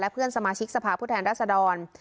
เพื่อนสมาชิกสภาพผู้แทนรัศดร